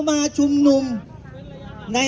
สวัสดีครับ